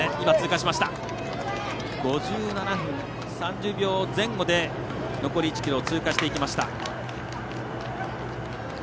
５７分３０秒前後で残り１ｋｍを通過していきました。